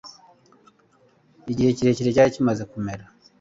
Igihe ikirere cyari kimaze kumera